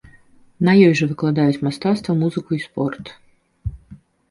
І на ёй жа выкладаюць мастацтва, музыку і спорт.